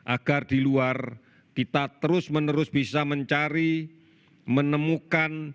agar di luar kita terus menerus bisa mencari menemukan